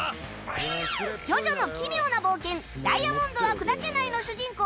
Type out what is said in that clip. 『ジョジョの奇妙な冒険ダイヤモンドは砕けない』の主人公